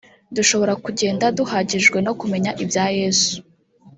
dushobora kugenda duhagijwe no kumenya ibya Yesu